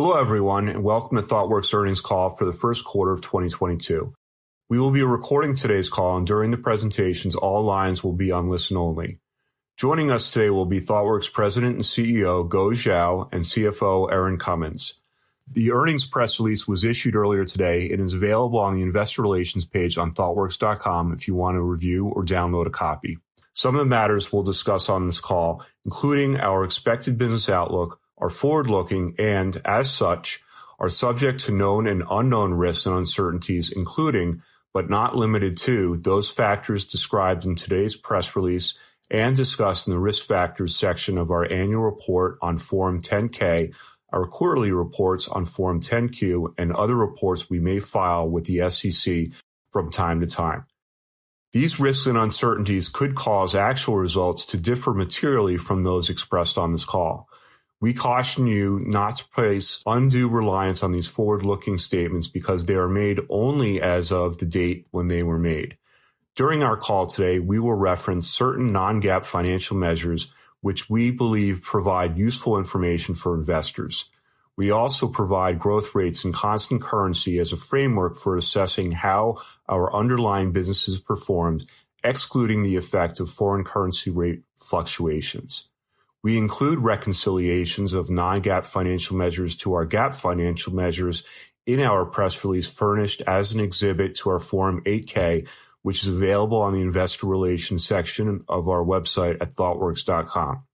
Hello everyone, and welcome to Thoughtworks earnings call for the Q1 of 2022. We will be recording today's call, and during the presentations, all lines will be on listen only. Joining us today will be Thoughtworks President and CEO, Guo Xiao, and CFO, Erin Cummins. The earnings press release was issued earlier today and is available on the investor relations page on thoughtworks.com if you want to review or download a copy. Some of the matters we'll discuss on this call, including our expected business outlook, are forward-looking and as such are subject to known and unknown risks and uncertainties, including, but not limited to, those factors described in today's press release and discussed in the Risk Factors section of our Annual Report on Form 10-K, our quarterly reports on Form 10-Q, and other reports we may file with the SEC from time to time. These risks and uncertainties could cause actual results to differ materially from those expressed on this call. We caution you not to place undue reliance on these forward-looking statements because they are made only as of the date when they were made. During our call today, we will reference certain non-GAAP financial measures which we believe provide useful information for investors. We also provide growth rates and constant currency as a framework for assessing how our underlying businesses performed, excluding the effect of foreign currency rate fluctuations. We include reconciliations of non-GAAP financial measures to our GAAP financial measures in our press release furnished as an exhibit to our Form 8-K, which is available on the investor relations section of our website at thoughtworks.com.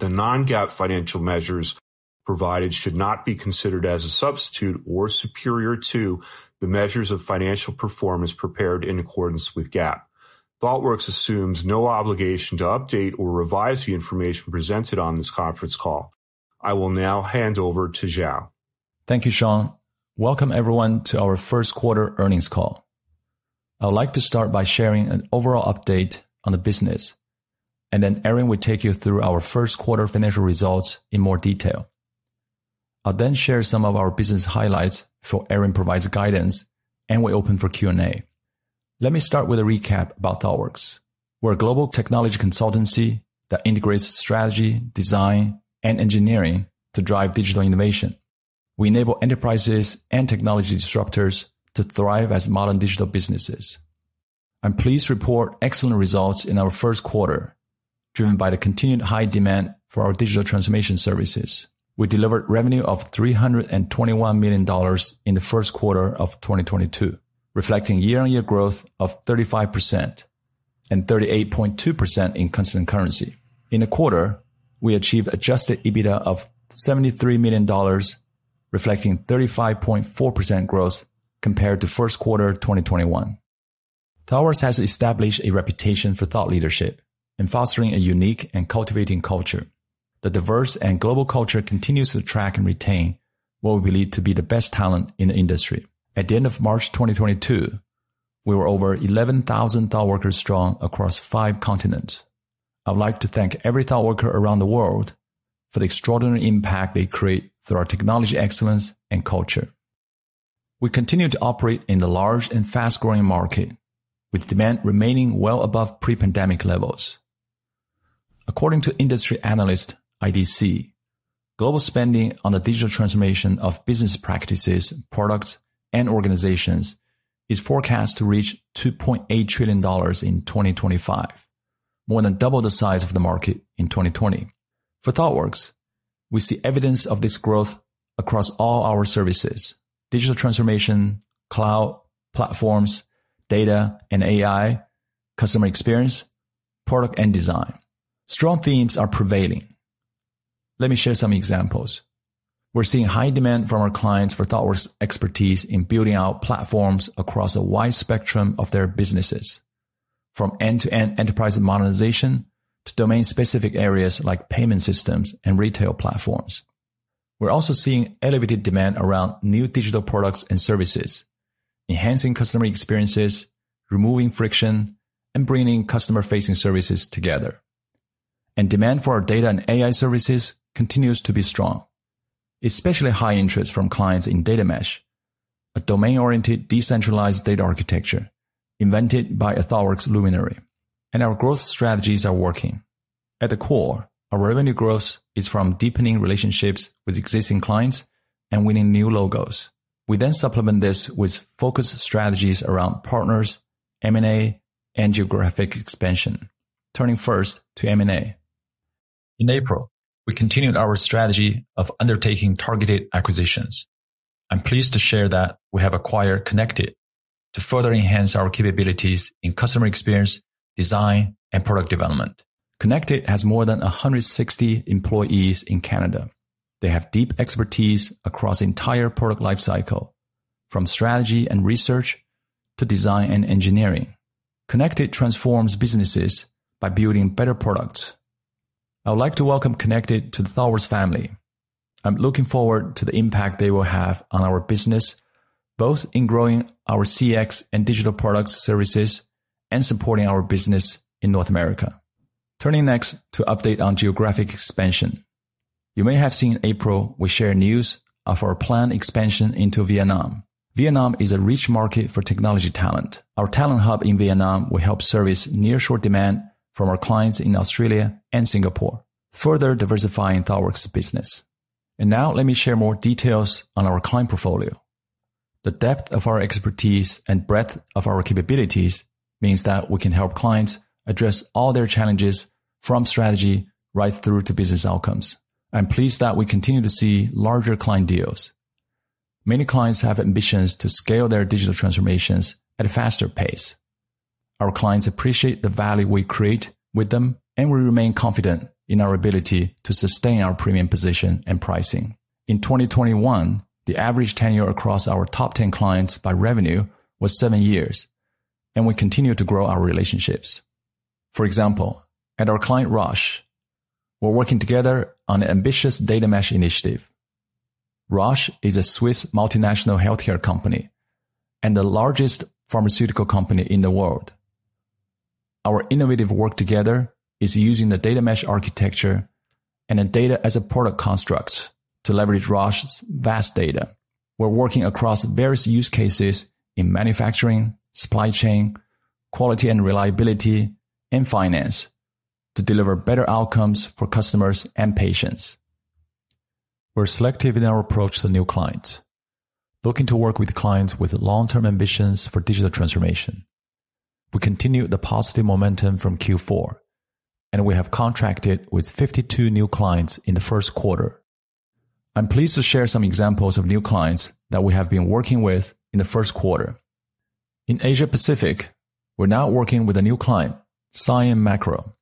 The non-GAAP financial measures provided should not be considered as a substitute or superior to the measures of financial performance prepared in accordance with GAAP. Thoughtworks assumes no obligation to update or revise the information presented on this conference call. I will now hand over to Xiao. Thank you, Sean. Welcome everyone to our Q1 earnings call. I would like to start by sharing an overall update on the business, and then Erin will take you through our Q1 financial results in more detail. I'll then share some of our business highlights before Erin provides guidance, and we open for Q&A. Let me start with a recap about Thoughtworks. We're a global technology consultancy that integrates strategy, design, and engineering to drive digital innovation. We enable enterprises and technology disruptors to thrive as modern digital businesses. I'm pleased to report excellent results in our Q1, driven by the continued high demand for our digital transformation services. We delivered revenue of $321 million in the Q1 of 2022, reflecting year-on-year growth of 35% and 38.2% in constant currency. In the quarter, we achieved adjusted EBITDA of $73 million, reflecting 35.4% growth compared to Q1 2021. Thoughtworks has established a reputation for thought leadership in fostering a unique and cultivating culture. The diverse and global culture continues to attract and retain what we believe to be the best talent in the industry. At the end of March 2022, we were over 11,000 Thoughtworkers strong across five continents. I would like to thank every Thoughtworker around the world for the extraordinary impact they create through our technology excellence and culture. We continue to operate in the large and fast-growing market, with demand remaining well above pre-pandemic levels. According to industry analyst IDC, global spending on the digital transformation of business practices, products, and organizations is forecast to reach $2.8 trillion in 2025, more than double the size of the market in 2020. For Thoughtworks, we see evidence of this growth across all our services. Digital transformation, cloud, platforms, data and AI, customer experience, product, and design. Strong themes are prevailing. Let me share some examples. We're seeing high demand from our clients for Thoughtworks expertise in building out platforms across a wide spectrum of their businesses, from end-to-end enterprise modernization to domain-specific areas like payment systems and retail platforms. We're also seeing elevated demand around new digital products and services, enhancing customer experiences, removing friction, and bringing customer-facing services together. Demand for our data and AI services continues to be strong, especially high interest from clients in data mesh, a domain-oriented decentralized data architecture invented by a Thoughtworks luminary. Our growth strategies are working. At the core, our revenue growth is from deepening relationships with existing clients and winning new logos. We then supplement this with focused strategies around partners, M&A, and geographic expansion. Turning first to M&A. In April, we continued our strategy of undertaking targeted acquisitions. I'm pleased to share that we have acquired Connected to further enhance our capabilities in customer experience, design, and product development. Connected has more than 160 employees in Canada. They have deep expertise across the entire product lifecycle, from strategy and research to design and engineering. Connected transforms businesses by building better products. I would like to welcome Connected to the Thoughtworks family. I'm looking forward to the impact they will have on our business, both in growing our CX and digital products services and supporting our business in North America. Turning next to update on geographic expansion. You may have seen in April we shared news of our planned expansion into Vietnam. Vietnam is a rich market for technology talent. Our talent hub in Vietnam will help service nearshore demand from our clients in Australia and Singapore, further diversifying Thoughtworks' business. Now let me share more details on our client portfolio. The depth of our expertise and breadth of our capabilities means that we can help clients address all their challenges from strategy right through to business outcomes. I'm pleased that we continue to see larger client deals. Many clients have ambitions to scale their digital transformations at a faster pace. Our clients appreciate the value we create with them, and we remain confident in our ability to sustain our premium position and pricing. In 2021, the average tenure across our top 10 clients by revenue was 7 years, and we continue to grow our relationships. For example, at our client Roche, we're working together on an ambitious data mesh initiative. Roche is a Swiss multinational healthcare company and the largest pharmaceutical company in the world. Our innovative work together is using the data mesh architecture and a data as a product construct to leverage Roche's vast data. We're working across various use cases in manufacturing, supply chain, quality and reliability, and finance to deliver better outcomes for customers and patients. We're selective in our approach to new clients, looking to work with clients with long-term ambitions for digital transformation. We continue the positive momentum from Q4, and we have contracted with 52 new clients in the Q1. I'm pleased to share some examples of new clients that we have been working with in the Q1. In Asia-Pacific, we're now working with a new client, Siam Makro.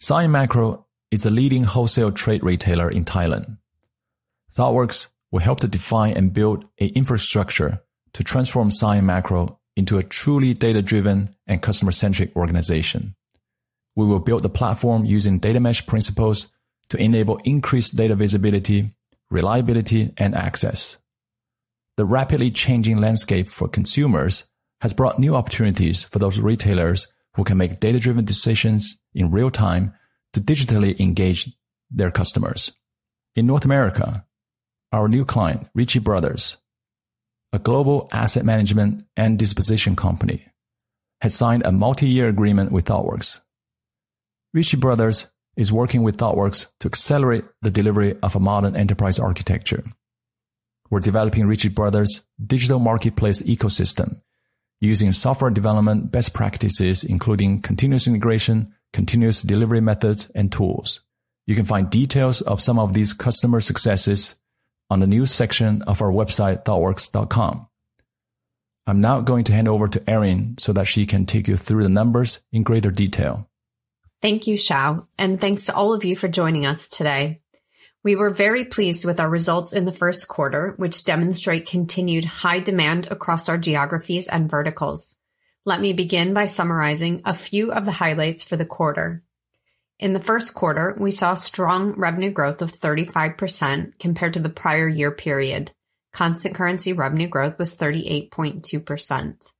Siam Makro is the leading wholesale trade retailer in Thailand. Thoughtworks will help to define and build an infrastructure to transform Siam Makro into a truly data-driven and customer-centric organization. We will build the platform using data mesh principles to enable increased data visibility, reliability, and access. The rapidly changing landscape for consumers has brought new opportunities for those retailers who can make data-driven decisions in real time to digitally engage their customers. In North America, our new client, Ritchie Bros., a global asset management and disposition company, has signed a multi-year agreement with Thoughtworks. Ritchie Bros. is working with Thoughtworks to accelerate the delivery of a modern enterprise architecture. We're developing Ritchie Bros.' digital marketplace ecosystem using software development best practices, including continuous integration, continuous delivery methods, and tools. You can find details of some of these customer successes on the news section of our website, thoughtworks.com. I'm now going to hand over to Erin so that she can take you through the numbers in greater detail. Thank you, Xiao, and thanks to all of you for joining us today. We were very pleased with our results in the Q1, which demonstrate continued high demand across our geographies and verticals. Let me begin by summarizing a few of the highlights for the quarter. In the Q1, we saw strong revenue growth of 35% compared to the prior year period. Constant currency revenue growth was 38.2%.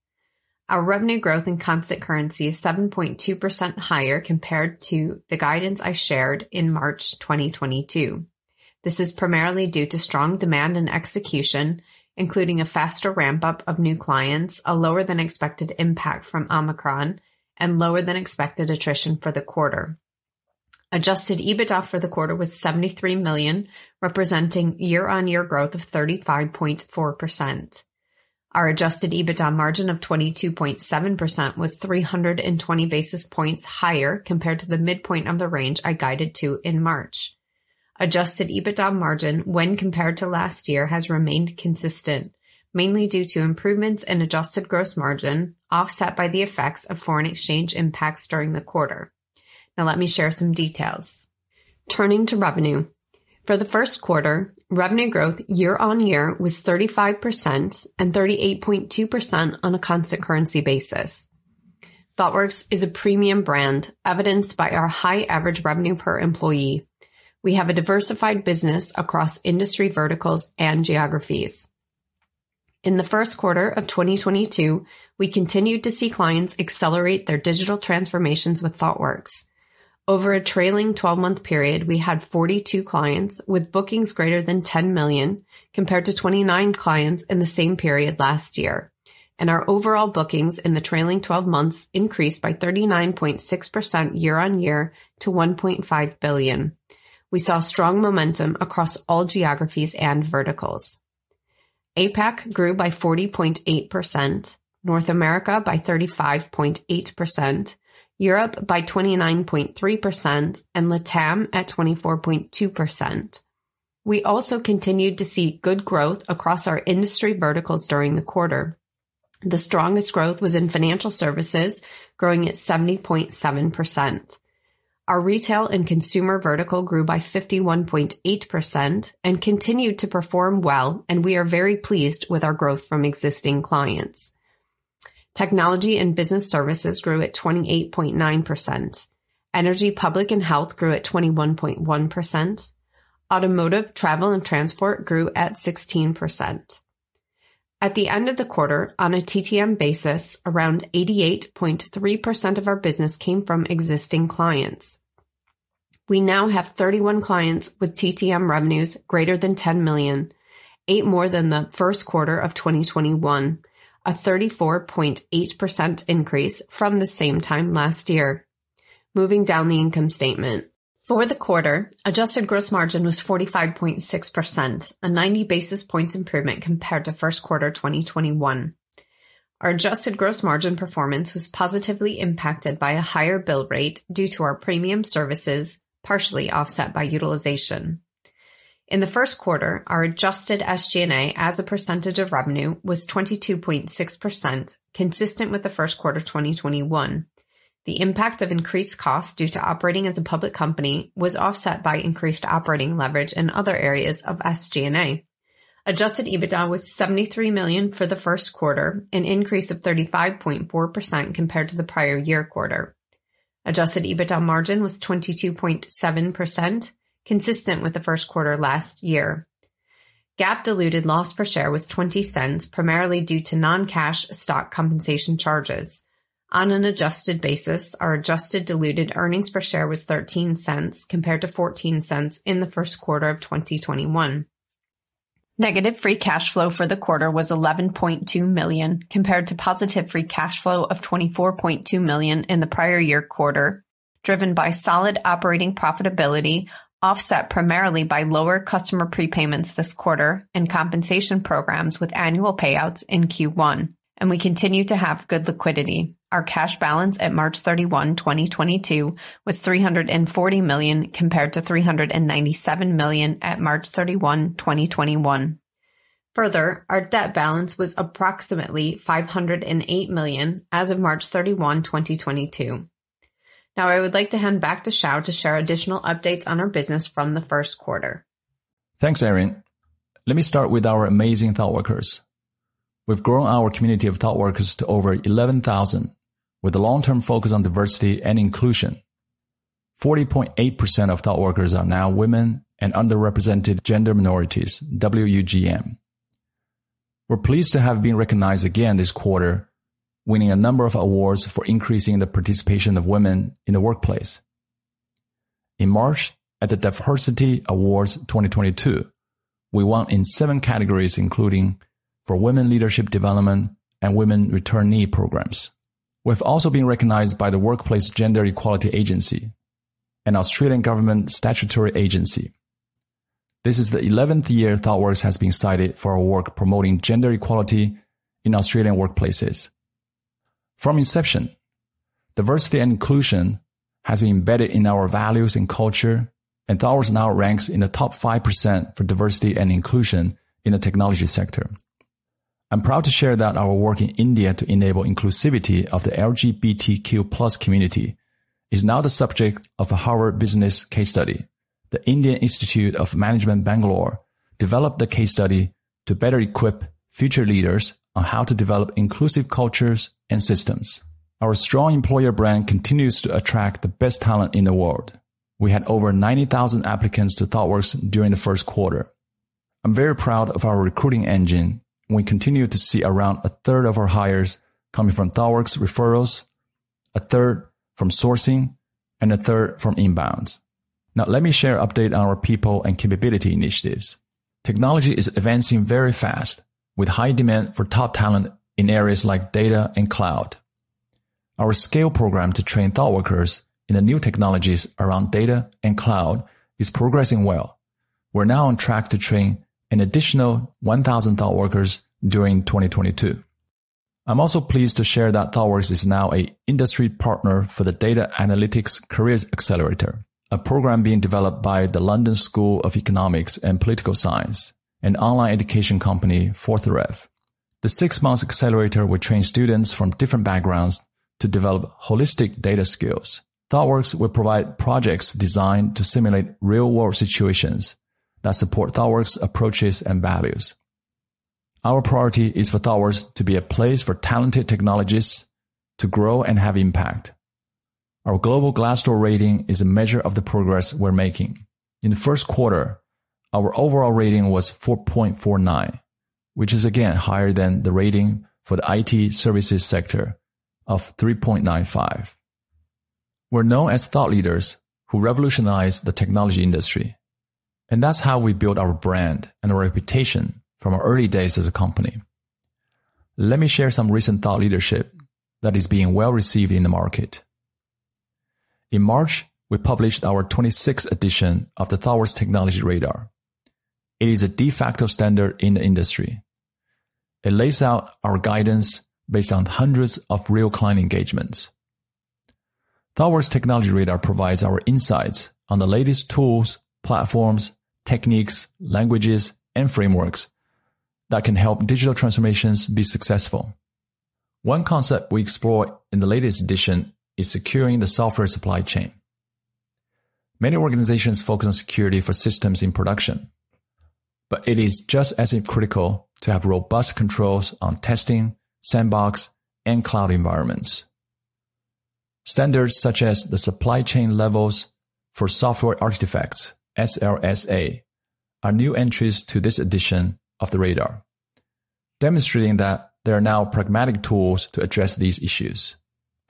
Our revenue growth in constant currency is 7.2% higher compared to the guidance I shared in March 2022. This is primarily due to strong demand and execution, including a faster ramp-up of new clients, a lower-than-expected impact from Omicron, and lower than expected attrition for the quarter. Adjusted EBITDA for the quarter was $73 million, representing year-on-year growth of 35.4%. Our adjusted EBITDA margin of 22.7% was 320 basis points higher compared to the midpoint of the range I guided to in March. Adjusted EBITDA margin when compared to last year has remained consistent, mainly due to improvements in adjusted gross margin offset by the effects of foreign exchange impacts during the quarter. Now let me share some details. Turning to revenue. For the Q1, revenue growth year-on-year was 35% and 38.2% on a constant currency basis. Thoughtworks is a premium brand evidenced by our high average revenue per employee. We have a diversified business across industry verticals and geographies. In the Q1 of 2022, we continued to see clients accelerate their digital transformations with Thoughtworks. Over a trailing twelve-month period, we had 42 clients with bookings greater than $10 million, compared to 29 clients in the same period last year. Our overall bookings in the trailing twelve months increased by 39.6% year-over-year to $1.5 billion. We saw strong momentum across all geographies and verticals. APAC grew by 40.8%, North America by 35.8%, Europe by 29.3%, and LATAM at 24.2%. We also continued to see good growth across our industry verticals during the quarter. The strongest growth was in financial services, growing at 70.7%. Our retail and consumer vertical grew by 51.8% and continued to perform well, and we are very pleased with our growth from existing clients. Technology and business services grew at 28.9%. Energy, public, and health grew at 21.1%. Automotive, travel, and transport grew at 16%. At the end of the quarter, on a TTM basis, around 88.3% of our business came from existing clients. We now have 31 clients with TTM revenues greater than $10 million, eight more than the Q1 of 2021, a 34.8% increase from the same time last year. Moving down the income statement. For the quarter, adjusted gross margin was 45.6%, a 90-basis points improvement compared to Q1 2021. Our adjusted gross margin performance was positively impacted by a higher bill rate due to our premium services, partially offset by utilization. In the Q1, our adjusted SG&A as a percentage of revenue was 22.6%, consistent with the Q1 of 2021. The impact of increased costs due to operating as a public company was offset by increased operating leverage in other areas of SG&A. Adjusted EBITDA was $73 million for the Q1, an increase of 35.4% compared to the prior year quarter. Adjusted EBITDA margin was 22.7%, consistent with the Q1 last year. GAAP diluted loss per share was $0.20, primarily due to non-cash stock compensation charges. On an adjusted basis, our adjusted diluted earnings per share was $0.13 compared to $0.14 in the Q1 of 2021. Negative free cash flow for the quarter was $11.2 million compared to positive free cash flow of $24.2 million in the prior year quarter, driven by solid operating profitability, offset primarily by lower customer prepayments this quarter and compensation programs with annual payouts in Q1. We continue to have good liquidity. Our cash balance on March 31st, 2022, was $340 million compared to $397 million on March 31st, 2021. Further, our debt balance was approximately $508 million as of March 31st, 2022. Now I would like to hand back to Xiao to share additional updates on our business from the Q1. Thanks, Erin. Let me start with our amazing Thoughtworkers. We've grown our community of Thoughtworkers to over 11,000 with a long-term focus on diversity and inclusion. 40.8% of Thoughtworkers are now women and underrepresented gender minorities, WUGM. We're pleased to have been recognized again this quarter, winning a number of awards for increasing the participation of women in the workplace. In March, at the DivHERsity Awards 2022, we won in seven categories, including for women leadership development and women returnee programs. We've also been recognized by the Workplace Gender Equality Agency, an Australian government statutory agency. This is the eleventh year Thoughtworks has been cited for our work promoting gender equality in Australian workplaces. From inception, diversity and inclusion has been embedded in our values and culture, and Thoughtworks now ranks in the top five percent for diversity and inclusion in the technology sector. I'm proud to share that our work in India to enable inclusivity of the LGBTQ plus community is now the subject of a Harvard Business case study. The Indian Institute of Management Bangalore developed the case study to better equip future leaders on how to develop inclusive cultures and systems. Our strong employer brand continues to attract the best talent in the world. We had over 90,000 applicants to Thoughtworks during the Q1. I'm very proud of our recruiting engine. We continue to see around a third of our hires coming from Thoughtworks referrals, a third from sourcing, and a third from inbounds. Now let me share update on our people and capability initiatives. Technology is advancing very fast with high demand for top talent in areas like data and cloud. Our scale program to train Thoughtworkers in the new technologies around data and cloud is progressing well. We're now on track to train an additional 1,000 Thoughtworkers during 2022. I'm also pleased to share that Thoughtworks is now an industry partner for the Data Analytics Careers Accelerator, a program being developed by the London School of Economics and Political Science, an online education company, Fourthrev. The six months accelerator will train students from different backgrounds to develop holistic data skills. Thoughtworks will provide projects designed to simulate real-world situations that support Thoughtworks approaches and values. Our priority is for Thoughtworks to be a place for talented technologists to grow and have impact. Our global Glassdoor rating is a measure of the progress we're making. In the Q1, our overall rating was 4.49, which is again higher than the rating for the IT services sector of 3.95. We're known as thought leaders who revolutionized the technology industry, and that's how we built our brand and our reputation from our early days as a company. Let me share some recent thought leadership that is being well-received in the market. In March, we published our 26th edition of the Thoughtworks Technology Radar. It is a de facto standard in the industry. It lays out our guidance based on hundreds of real client engagements. Thoughtworks Technology Radar provides our insights on the latest tools, platforms, techniques, languages, and frameworks that can help digital transformations be successful. One concept we explore in the latest edition is securing the software supply chain. Many organizations focus on security for systems in production, but it is just as critical to have robust controls on testing, sandbox, and cloud environments. Standards such as the Supply-chain Levels for Software Artifacts, SLSA, are new entries to this edition of the Radar, demonstrating that there are now pragmatic tools to address these issues.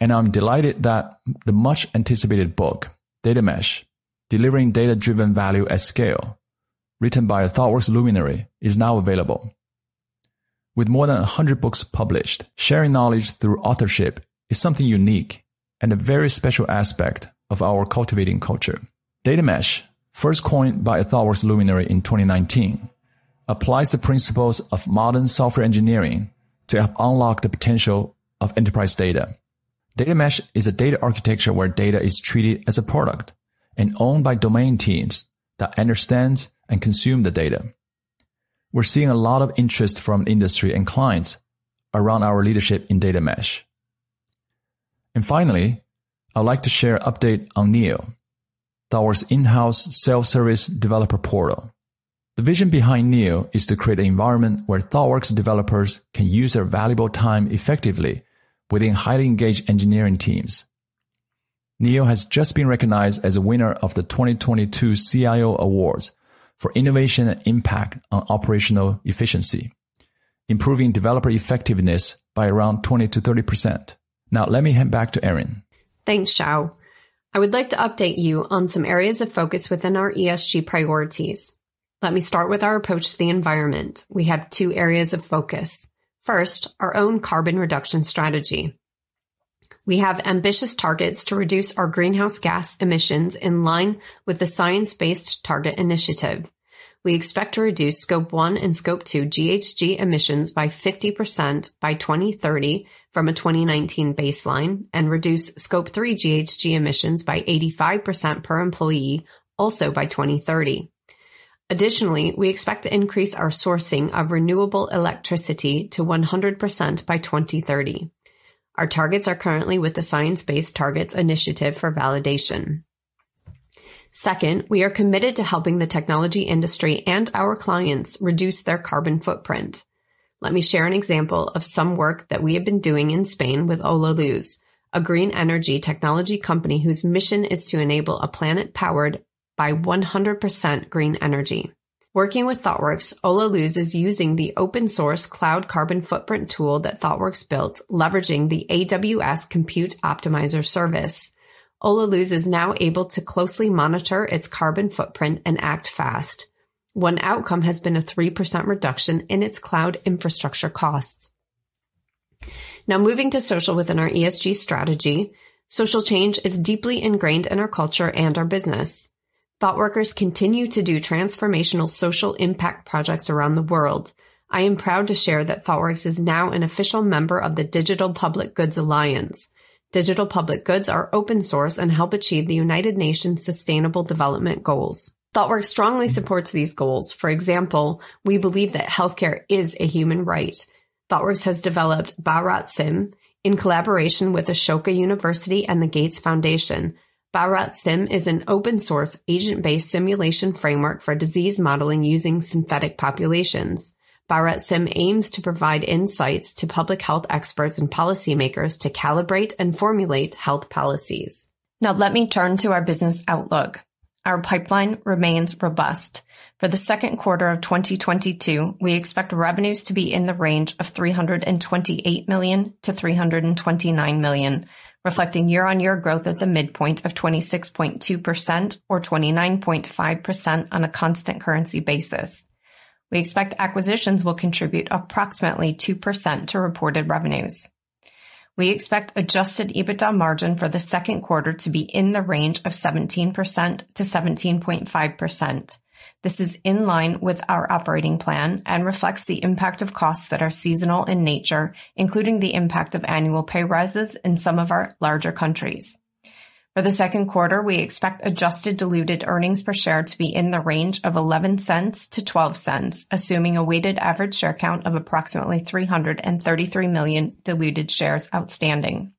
I'm delighted that the much-anticipated book, Data Mesh: Delivering Data-Driven Value at Scale, written by a Thoughtworks luminary, is now available. With more than 100 books published, sharing knowledge through authorship is something unique and a very special aspect of our cultivating culture. Data mesh, first coined by a Thoughtworks luminary in 2019, applies the principles of modern software engineering to help unlock the potential of enterprise data. Data mesh is a data architecture where data is treated as a product and owned by domain teams that understands and consume the data. We're seeing a lot of interest from industry and clients around our leadership in data mesh. Finally, I'd like to share update on NEO, Thoughtworks in-house self-service developer portal. The vision behind NEO is to create an environment where Thoughtworks developers can use their valuable time effectively within highly engaged engineering teams. NEO has just been recognized as a winner of the 2022 CIO Awards for innovation and impact on operational efficiency, improving developer effectiveness by around 20%-30%. Now let me hand back to Erin. Thanks, Xiao. I would like to update you on some areas of focus within our ESG priorities. Let me start with our approach to the environment. We have two areas of focus. First, our own carbon reduction strategy. We have ambitious targets to reduce our greenhouse gas emissions in line with the Science Based Targets initiative. We expect to reduce scope one and scope two GHG emissions by 50% by 2030 from a 2019 baseline, and reduce scope three GHG emissions by 85% per employee also by 2030. Additionally, we expect to increase our sourcing of renewable electricity to 100% by 2030. Our targets are currently with the Science Based Targets initiative for validation. Second, we are committed to helping the technology industry and our clients reduce their carbon footprint. Let me share an example of some work that we have been doing in Spain with Holaluz, a green energy technology company whose mission is to enable a planet powered by 100% green energy. Working with Thoughtworks, Holaluz is using the open-source Cloud Carbon Footprint tool that Thoughtworks built leveraging the AWS Compute Optimizer service. Holaluz is now able to closely monitor its carbon footprint and act fast. One outcome has been a 3% reduction in its cloud infrastructure costs. Now moving to social within our ESG strategy. Social change is deeply ingrained in our culture and our business. Thoughtworkers continue to do transformational social impact projects around the world. I am proud to share that Thoughtworks is now an official member of the Digital Public Goods Alliance. Digital public goods are open source and help achieve the United Nations Sustainable Development Goals. Thoughtworks strongly supports these goals. For example, we believe that healthcare is a human right. Thoughtworks has developed BharatSim in collaboration with Ashoka University and the Gates Foundation. BharatSim is an open-source agent-based simulation framework for disease modeling using synthetic populations. BharatSim aims to provide insights to public health experts and policymakers to calibrate and formulate health policies. Now let me turn to our business outlook. Our pipeline remains robust. For the Q1 of 2022, we expect revenues to be in the range of $328-$329 million, reflecting year-on-year growth at the midpoint of 26.2% or 29.5% on a constant currency basis. We expect acquisitions will contribute approximately 2% to reported revenues. We expect adjusted EBITDA margin for the Q1 to be in the range of 17%-17.5%. This is in line with our operating plan and reflects the impact of costs that are seasonal in nature, including the impact of annual pay rises in some of our larger countries. For the Q1, we expect adjusted diluted earnings per share to be in the range of $0.11-$0.12, assuming a weighted average share count of approximately 333 million diluted shares outstanding.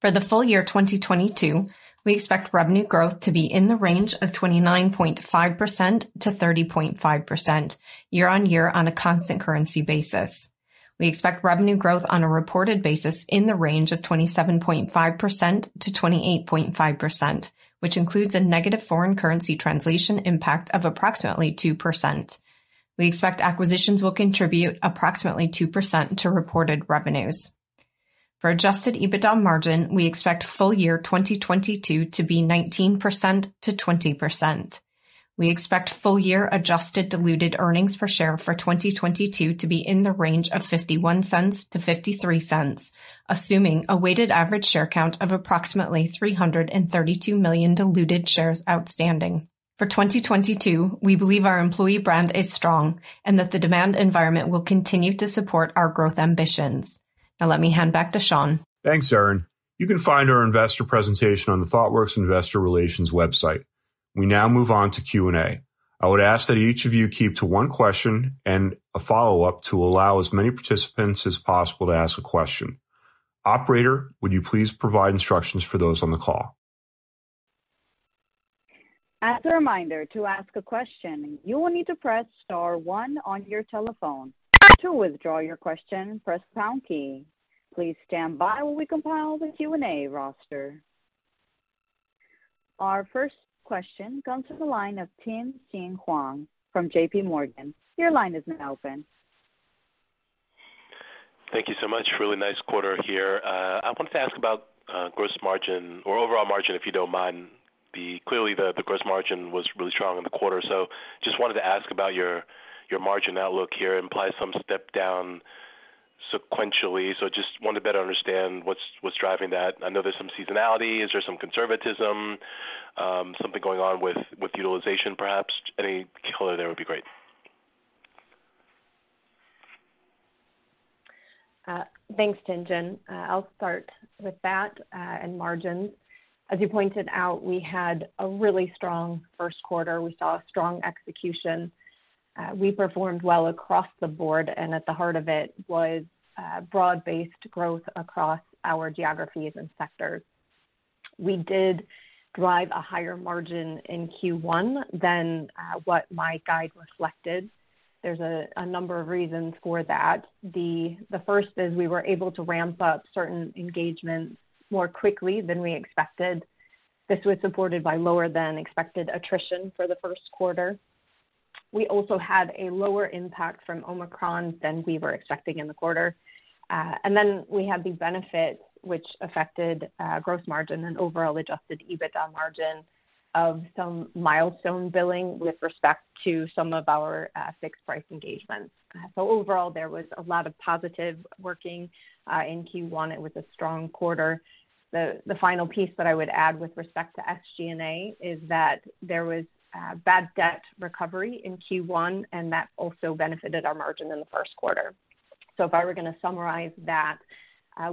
For the full year 2022, we expect revenue growth to be in the range of 29.5%-30.5% year-over-year on a constant currency basis. We expect revenue growth on a reported basis in the range of 27.5%-28.5%, which includes a negative foreign currency translation impact of approximately 2%. We expect acquisitions will contribute approximately 2% to reported revenues. For adjusted EBITDA margin, we expect full year 2022 to be 19%-20%. We expect full year adjusted diluted earnings per share for 2022 to be in the range of $0.51-$0.53, assuming a weighted average share count of approximately 332 million diluted shares outstanding. For 2022, we believe our employee brand is strong and that the demand environment will continue to support our growth ambitions. Now let me hand back to Sean. Thanks, Erin. You can find our investor presentation on the Thoughtworks Investor Relations website. We now move on to Q&A. I would ask that each of you keep to one question and a follow-up to allow as many participants as possible to ask a question. Operator, would you please provide instructions for those on the call? As a reminder, to ask a question, you will need to press star one on your telephone. To withdraw your question, press pound key. Please stand by while we compile the Q&A roster. Our first question comes from the line of Tien-tsin Huang from JP Morgan. Your line is now open. Thank you so much. Really nice quarter here. I wanted to ask about, gross margin or overall margin, if you don't mind. Clearly the gross margin was really strong in the quarter. Just wanted to better understand what's driving that. I know there's some seasonality. Is there some conservatism, something going on with utilization perhaps? Any color there would be great. Thanks, Tien-tsin. I'll start with that and margins. As you pointed out, we had a really strong Q1. We saw a strong execution. We performed well across the board, and at the heart of it was broad-based growth across our geographies and sectors. We did drive a higher margin in Q1 than what my guide reflected. There's a number of reasons for that. The first is we were able to ramp up certain engagements more quickly than we expected. This was supported by lower-than-expected attrition for the Q1. We also had a lower impact from Omicron than we were expecting in the quarter. We had the benefit which affected gross margin and overall adjusted EBITDA margin of some milestone billing with respect to some of our fixed price engagements. Overall, there was a lot of positive working in Q1. It was a strong quarter. The final piece that I would add with respect to SG&A is that there was bad debt recovery in Q1, and that also benefited our margin in theQ1r. If I were going to summarize that,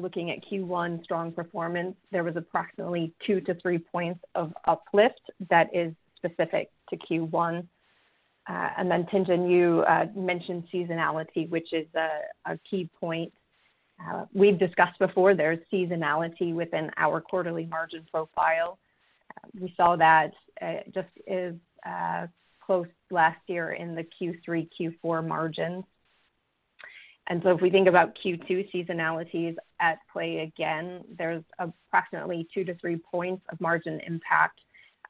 looking at Q1 strong performance, there was approximately 2-3 points of uplift that is specific to Q1. Tien-tsin Huang, you mentioned seasonality, which is a key point. We've discussed before there's seasonality within our quarterly margin profile. We saw that just as close last year in the Q3, Q4 margin. If we think about Q2, seasonality is at play. Again, there's approximately 2-3 points of margin impact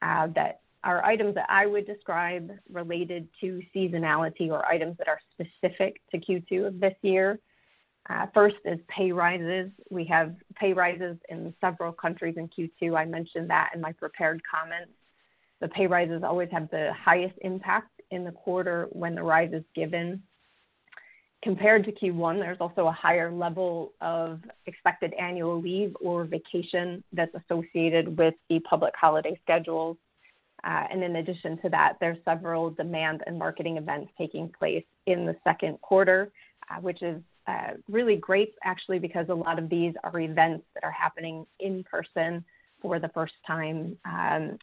that are items that I would describe related to seasonality or items that are specific to Q2 of this year. First are pay raises. We have pay raises in several countries in Q2. I mentioned that in my prepared comments. The pay raises always have the highest impact in the quarter when the rise is given. Compared to Q1, there's also a higher level of expected annual leave or vacation that's associated with the public holiday schedules. In addition to that, there are several demand and marketing events taking place in the Q1, which is really great actually, because a lot of these are events that are happening in person for the first time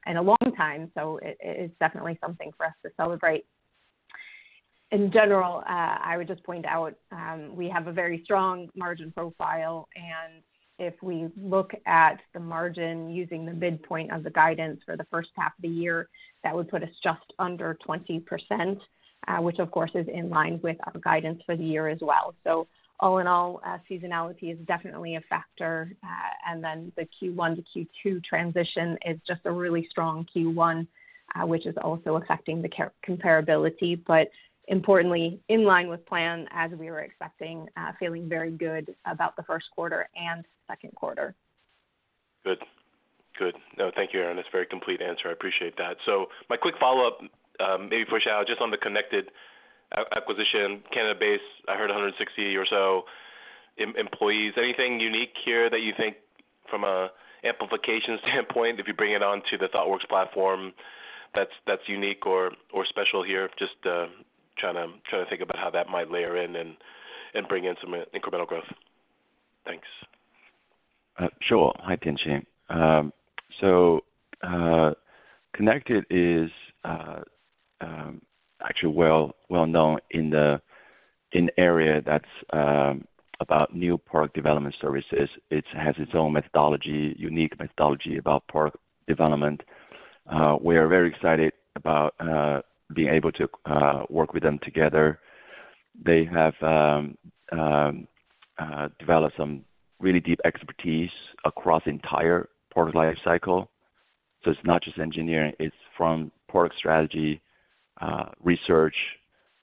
in a long time. It's definitely something for us to celebrate. In general, I would just point out, we have a very strong margin profile, and if we look at the margin using the midpoint of the guidance for the H1 of the year, that will put us just under 20%, which of course is in line with our guidance for the year as well. All in all, seasonality is definitely a factor. The Q1 to Q2 transition is just a really strong Q1, which is also affecting the comparability, but importantly in line with plan as we were expecting, feeling very good about the Q1 and Q2. Good. No, thank you, Erin. That's a very complete answer. I appreciate that. My quick follow-up, maybe for Guo Xiao, just on the Connected acquisition, Canada-based, I heard 100 or so employees. Anything unique here that you think from an amplification standpoint, if you bring it on to the Thoughtworks platform that's unique or special here? Just trying to think about how that might layer in and bring in some incremental growth. Thanks. Sure. Hi, Tien-tsin. Connected is actually well-known in the area that's about new product development services. It has its own methodology, unique methodology about product development. We are very excited about being able to work with them together. They have developed some really deep expertise across the entire product lifecycle. It's not just engineering, it's from product strategy, research,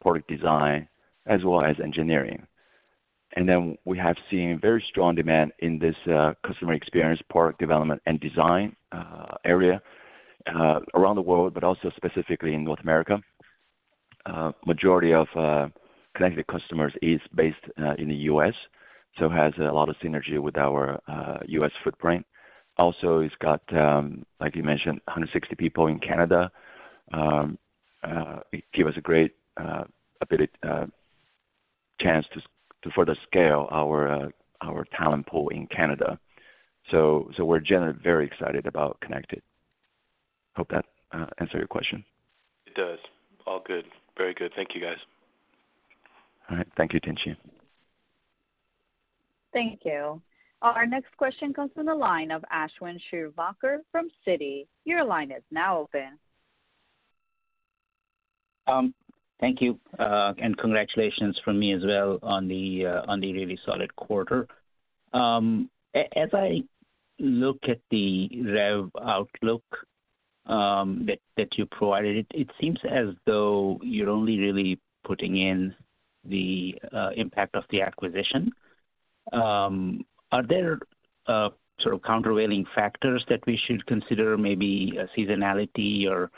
product design, as well as engineering. We have seen very strong demand in this customer experience, product development and design area around the world, but also specifically in North America. Majority of Connected customers is based in the US, so has a lot of synergy with our US footprint. Also, it's got, like you mentioned, 160 people in Canada. It give us a great ability chance to further scale our talent pool in Canada. We're generally very excited about Connected. Hope that answer your question. It does. All good. Very good. Thank you, guys. All right. Thank you, Tien-tsin. Thank you. Our next question comes from the line of Ashwin Shirvaikar from Citi. Your line is now open. Thank you, and congratulations from me as well on the really solid quarter. As I look at the rev outlook that you provided, it seems as though you're only really putting in the impact of the acquisition. Are there sort of countervailing factors that we should consider maybe a seasonality or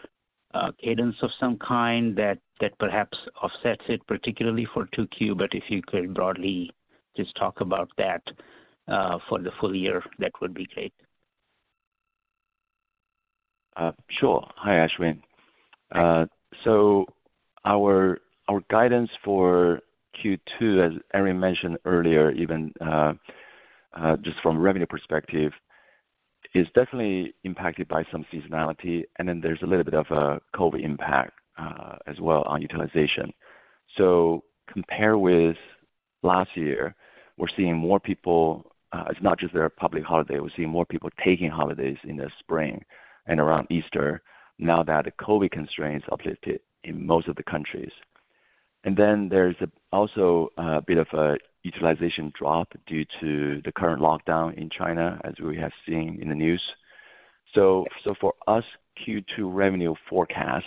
a cadence of some kind that perhaps offsets it particularly for 2Q? If you could broadly just talk about that for the full year, that would be great. Sure. Hi, Ashwin. Our guidance for Q2, as Erin mentioned earlier, even just from revenue perspective, is definitely impacted by some seasonality. There's a little bit of a COVID impact, as well on utilization. Compared with last year, we're seeing more people. It's not just the public holiday, we're seeing more people taking holidays in the spring and around Easter now that the COVID constraints uplifted in most of the countries. There's also a bit of a utilization drop due to the current lockdown in China, as we have seen in the news. For us, Q2 revenue forecast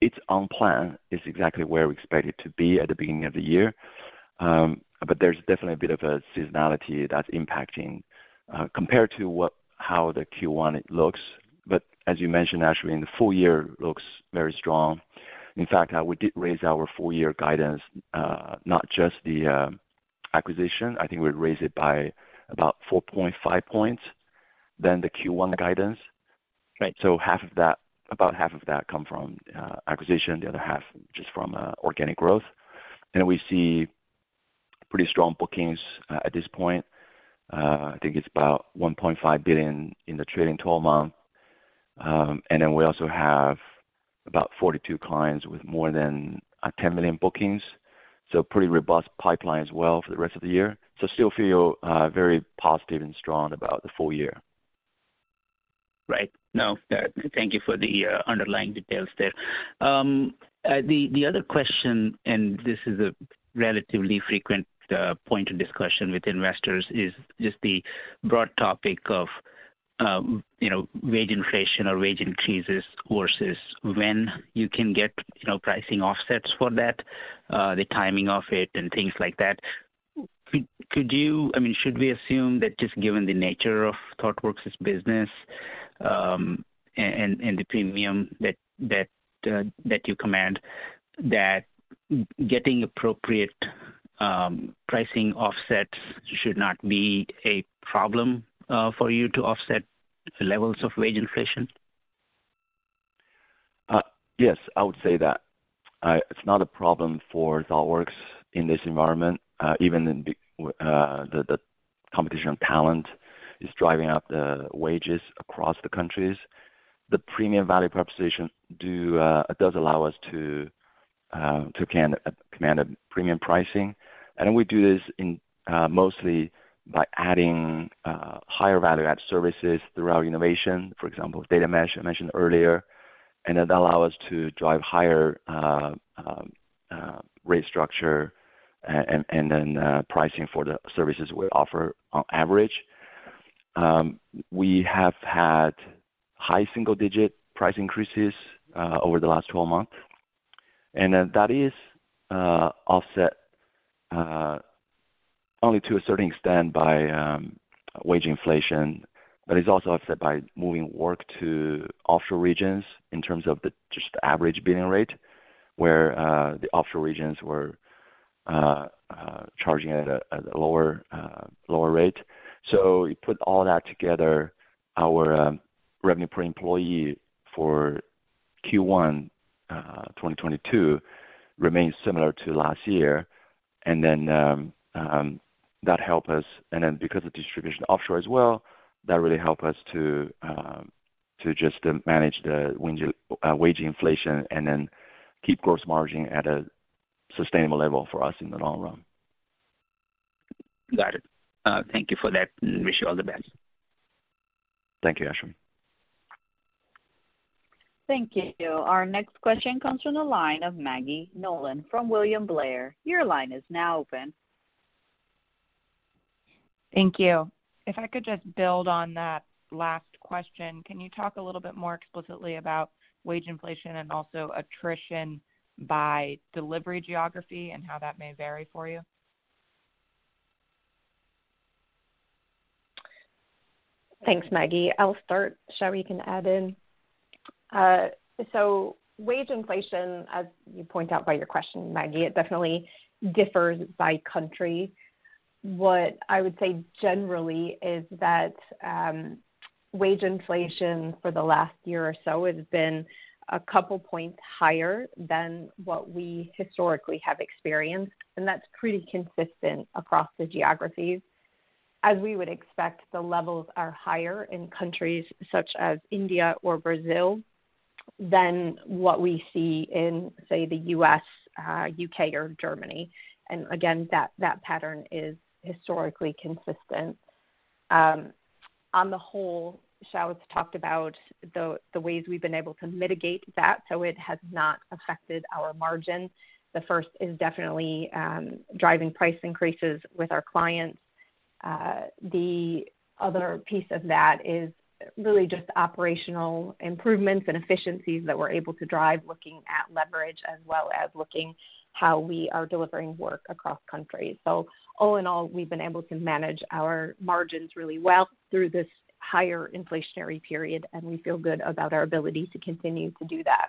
is on plan exactly where we expect it to be at the beginning of the year. There's definitely a bit of a seasonality that's impacting, compared to how the Q1, it looks. As you mentioned, Ashwin, the full year looks very strong. In fact, we did raise our full year guidance, not just the acquisition. I think we raised it by about 4.5 points from the Q1 guidance. Right. About half of that comes from acquisition, the other half just from organic growth. We see pretty strong bookings at this point. I think it's about $1.5 billion in the trailing twelve-month. And then we also have about 42 clients with more than $10 million bookings, so pretty robust pipeline as well for the rest of the year. We still feel very positive and strong about the full year. Right. No, thank you for the underlying details there. The other question, and this is a relatively frequent point of discussion with investors, is just the broad topic of, you know, wage inflation or wage increases versus when you can get, you know, pricing offsets for that, the timing of it and things like that. I mean, should we assume that just given the nature of Thoughtworks' business, and the premium that you command, that getting appropriate pricing offsets should not be a problem for you to offset the levels of wage inflation? Yes, I would say that it's not a problem for Thoughtworks in this environment, even in the competition on talent is driving up the wages across the countries. The premium value proposition does allow us to command a premium pricing. We do this mostly by adding higher value-add services through our innovation, for example, data mesh I mentioned earlier, and that allow us to drive higher rate structure and then pricing for the services we offer on average. We have had high single-digit price increases over the last 12 months, and that is offset only to a certain extent by wage inflation, but it's also offset by moving work to offshore regions in terms of the just average billing rate, where the offshore regions were charging at a lower rate. You put all that together, our revenue per employee for Q1 2022 remains similar to last year. Because of distribution offshore as well, that really help us to just manage the wage inflation and then keep gross margin at a sustainable level for us in the long run. Got it. Thank you for that and wish you all the best. Thank you, Ashwin. Thank you. Our next question comes from the line of Maggie Nolan from William Blair. Your line is now open. Thank you. If I could just build on that last question, can you talk a little bit more explicitly about wage inflation and also attrition by delivery geography and how that may vary for you? Thanks, Maggie. I'll start. Guo Xiao can add in. Wage inflation, as you point out by your question, Maggie, it definitely differs by country. What I would say generally is that, wage inflation for the last year or so has been a couple points higher than what we historically have experienced, and that's pretty consistent across the geographies. As we would expect, the levels are higher in countries such as India or Brazil than what we see in, say, the U.S., U.K. or Germany. Again, that pattern is historically consistent. On the whole, Xiao's talked about the ways we've been able to mitigate that, so it has not affected our margin. The first is definitely driving price increases with our clients. The other piece of that is really just operational improvements and efficiencies that we're able to drive looking at leverage as well as looking how we are delivering work across countries. All in all, we've been able to manage our margins really well through this higher inflationary period, and we feel good about our ability to continue to do that.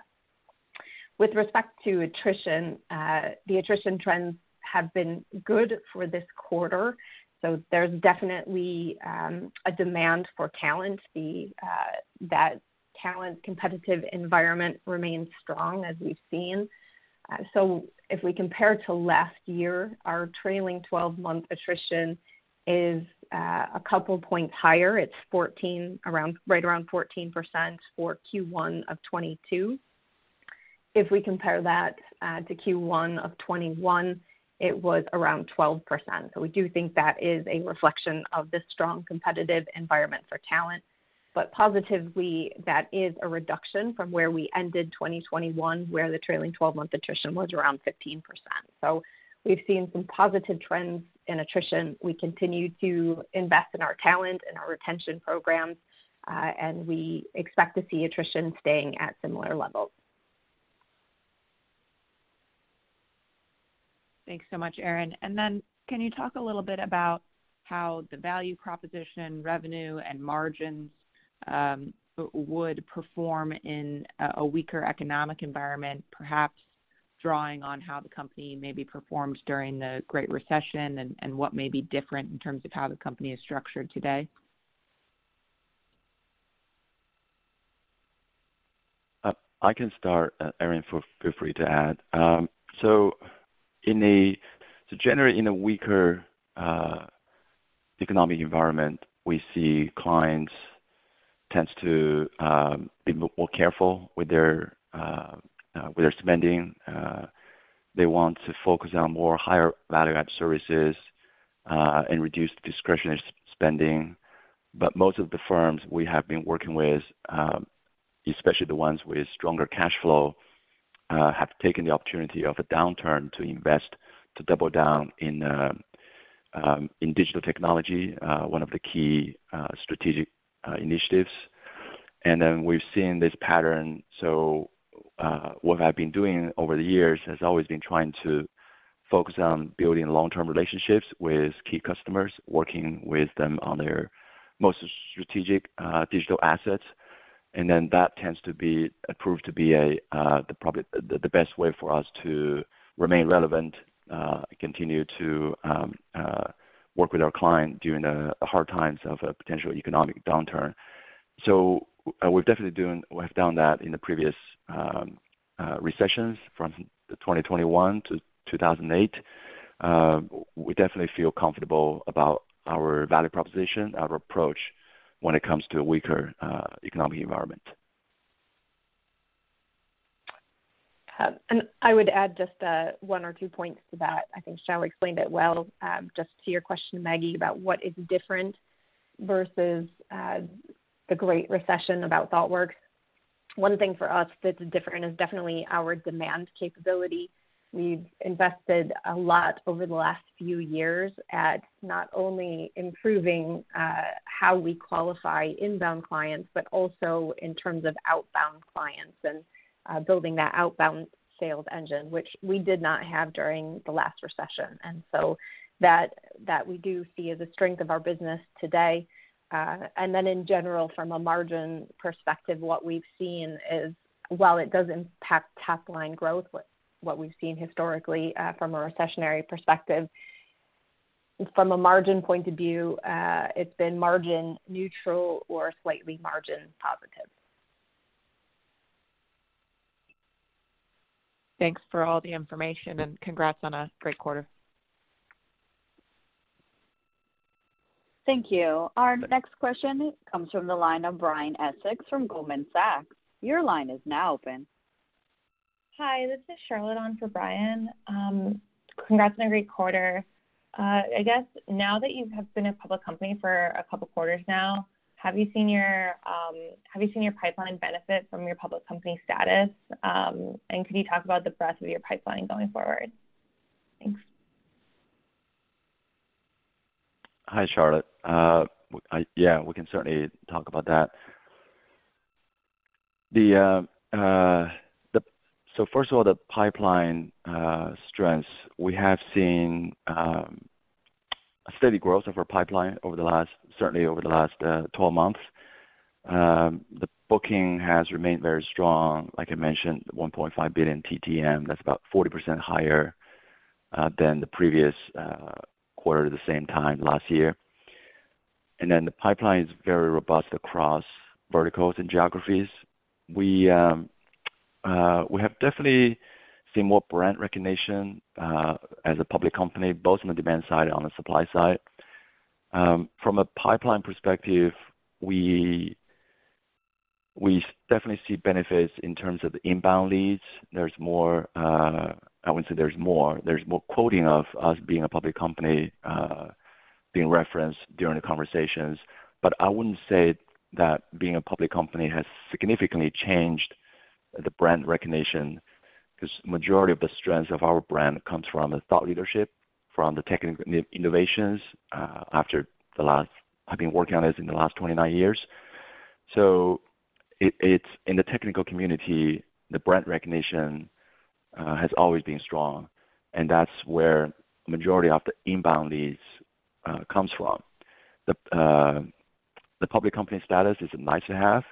With respect to attrition, the attrition trends have been good for this quarter, so there's definitely a demand for talent. The talent competitive environment remains strong as we've seen. If we compare to last year, our trailing-twelve-month attrition is a couple points higher. It's right around 14% for Q1 of 2022. If we compare that to Q1 of 2021, it was around 12%. We do think that is a reflection of the strong competitive environment for talent. Positively, that is a reduction from where we ended 2021, where the trailing twelve-month attrition was around 15%. We've seen some positive trends in attrition. We continue to invest in our talent and our retention programs, and we expect to see attrition staying at similar levels. Thanks so much, Erin. Can you talk a little bit about how the value proposition, revenue, and margins would perform in a weaker economic environment, perhaps drawing on how the company maybe performed during the Great Recession and what may be different in terms of how the company is structured today? I can start. Erin, feel free to add. Generally in a weaker economic environment, we see clients tends to be more careful with their spending. They want to focus on more higher value add services and reduce discretionary spending. Most of the firms we have been working with, especially the ones with stronger cash flow, have taken the opportunity of a downturn to invest, to double down in digital technology, one of the key strategic initiatives. We've seen this pattern. What I've been doing over the years has always been trying to focus on building long-term relationships with key customers, working with them on their most strategic digital assets. That proved to be the best way for us to remain relevant, continue to work with our client during hard times of a potential economic downturn. We have done that in the previous recessions from 2021 to 2008. We definitely feel comfortable about our value proposition, our approach when it comes to a weaker economic environment. I would add just one or two points to that. I think Xiao explained it well. Just to your question, Maggie, about what is different versus the Great Recession about Thoughtworks. One thing for us that's different is definitely our demand capability. We've invested a lot over the last few years at not only improving how we qualify inbound clients, but also in terms of outbound clients and building that outbound sales engine, which we did not have during the last recession. That we do see as a strength of our business today. In general, from a margin perspective, what we've seen is while it does impact top line growth, what we've seen historically from a recessionary perspective, from a margin point of view, it's been margin neutral or slightly margin positive. Thanks for all the information and congrats on a great quarter. Thank you. Our next question comes from the line of Brian Essex from Goldman Sachs. Your line is now open. Hi, this is Charlotte on for Brian. Congrats on a great quarter. I guess now that you have been a public company for a couple quarters now, have you seen your pipeline benefit from your public company status? Could you talk about the breadth of your pipeline going forward? Thanks. Hi, Charlotte. Yeah, we can certainly talk about that. First of all, the pipeline strengths. We have seen a steady growth of our pipeline over the last 12 months. The booking has remained very strong. Like I mentioned, $1.5 billion TTM, that's about 40% higher than the previous quarter at the same time last year. The pipeline is very robust across verticals and geographies. We have definitely seen more brand recognition as a public company, both on the demand side and on the supply side. From a pipeline perspective, we definitely see benefits in terms of the inbound leads. There's more quoting of us being a public company being referenced during the conversations. I wouldn't say that being a public company has significantly changed the brand recognition, cause majority of the strengths of our brand comes from the thought leadership, from the technical innovations, I've been working on this in the last 29 years. It's in the technical community, the brand recognition, has always been strong, and that's where majority of the inbound leads, comes from. The public company status is nice to have,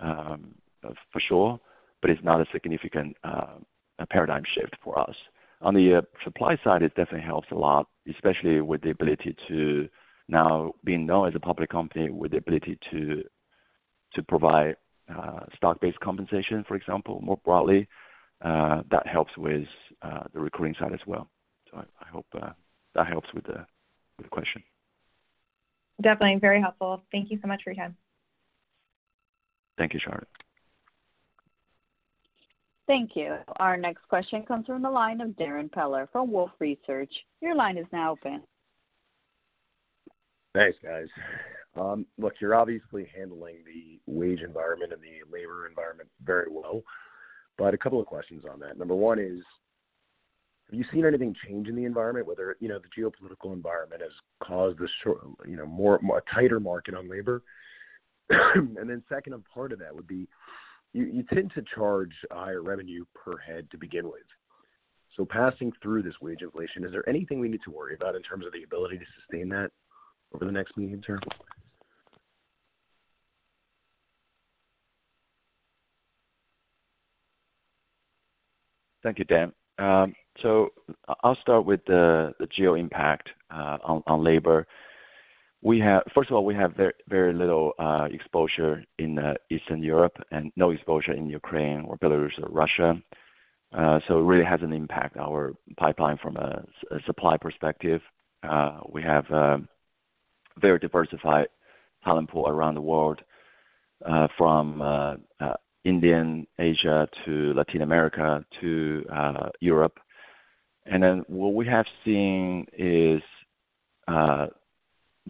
for sure, but it's not a significant paradigm shift for us. On the supply side, it definitely helps a lot, especially with the ability to now being known as a public company with the ability to provide stock-based compensation, for example, more broadly. That helps with the recruiting side as well. I hope that helps with the question. Definitely. Very helpful. Thank you so much for your time. Thank you, Charlotte. Thank you. Our next question comes from the line of Darrin Peller from Wolfe Research. Your line is now open. Thanks, guys. Look, you're obviously handling the wage environment and the labor environment very well, but a couple of questions on that. Number one is, have you seen anything change in the environment, whether you know the geopolitical environment has caused a tighter market on labor? Then second and part of that would be, you tend to charge higher revenue per head to begin with. So passing through this wage inflation, is there anything we need to worry about in terms of the ability to sustain that over the next medium term? Thank you, Dan. I'll start with the geo impact on labor. First of all, we have very little exposure in Eastern Europe and no exposure in Ukraine or Belarus or Russia. It really has an impact on our pipeline from a supply perspective. We have very diversified talent pool around the world, from India, Asia, to Latin America, to Europe. What we have seen is